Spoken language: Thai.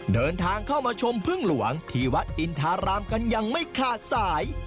เดินทางเข้ามาชมพึ่งหลวงที่วัดอินทารามกันยังไม่ขาดสาย